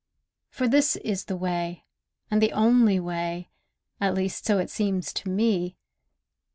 For this is the way, and the only way— At least so it seems to me.